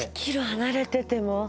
１ｋｍ離れてても？